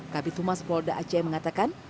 kb tumas polda aceh mengatakan